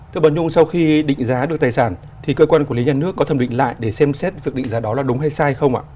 thưa bà nhung sau khi định giá được tài sản thì cơ quan quản lý nhà nước có thẩm định lại để xem xét việc định giá đó là đúng hay sai không ạ